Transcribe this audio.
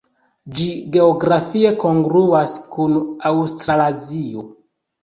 Ĝi geografie kongruas kun Aŭstralazio.